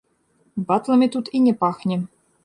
Батламі тут і не пахне.